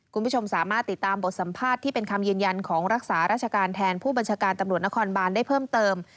คุณผู้ชมสามารถติดตามบทสัมภาษณ์ที่เป็นคำยืนยันของรักษาราชการแทนผู้บัญชาการตำรวจนครบานได้เพิ่มเติม